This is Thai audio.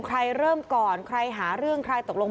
ใครเริ่มก่อนใครหาเรื่องใครตกลง